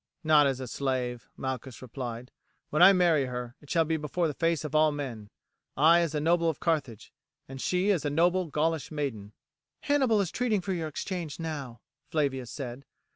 "Not as a slave," Malchus replied; "when I marry her it shall be before the face of all men I as a noble of Carthage, she as a noble Gaulish maiden." "Hannibal is treating for your exchange now," Flavia said.